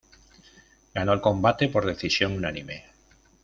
Ganó el combate por decisión unánime.